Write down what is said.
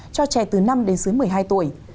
cho trẻ từ năm đến dưới một mươi hai tuổi